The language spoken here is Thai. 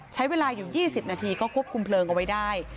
ใช้เวลาอยู่๒๐นาทีก็ควบคุมเพลิงเอาไว้ได้